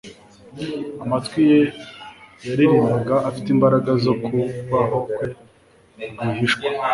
Amatwi ye yaririmbaga afite imbaraga zo kubaho kwe rwihishwa